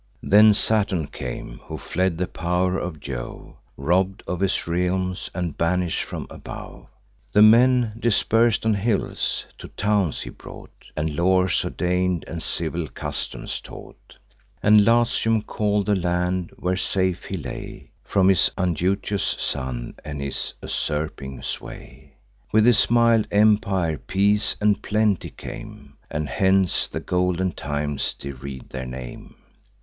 Then Saturn came, who fled the pow'r of Jove, Robb'd of his realms, and banish'd from above. The men, dispers'd on hills, to towns he brought, And laws ordain'd, and civil customs taught, And Latium call'd the land where safe he lay From his unduteous son, and his usurping sway. With his mild empire, peace and plenty came; And hence the golden times deriv'd their name.